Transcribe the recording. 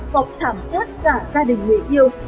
hoặc thảm sát giả gia đình người yêu